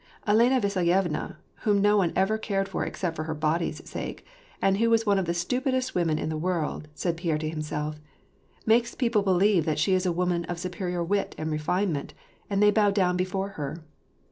" Elena Vasilyevna, whom no one ever cared for except for her body's sake, and who is one of the stupidest women in the world," said Pierre to himself, " makes people believe that she is a woman of superior wit and refinement, and they bow down before her.